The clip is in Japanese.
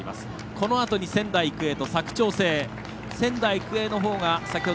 このあとに仙台育英と佐久長聖。